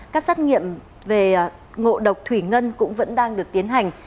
các xét nghiệm về ngộ độc thủy ngân cũng vẫn đang được tiến hành